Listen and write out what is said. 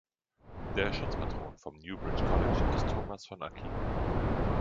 Der Schutzpatron vom Newbridge College ist Thomas von Aquin.